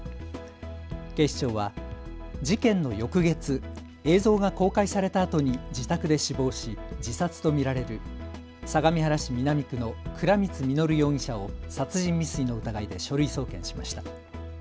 警視庁は事件の翌月、映像が公開されたあとに自宅で死亡し自殺と見られる相模原市南区の倉光実容疑者を殺人未遂の疑いで書類送検しました。